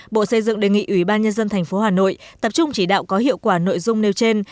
bộ xây dựng đề nghị ủy ban nhân dân tp hà nội tập trung chỉ đạo có hiệu quả nội dung nêu trên